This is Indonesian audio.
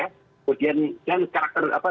kemudian dan karakter apa